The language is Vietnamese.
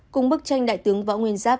cùng bức tranh đại tướng võ nguyên giáp